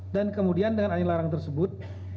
dan kemudian dengan anil larang tersebut